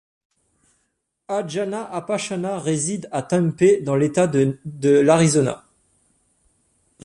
Anjana Appachana réside à Tempe dans l'état de l'Arizona.